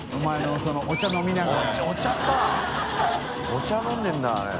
お茶飲んでるんだあれ。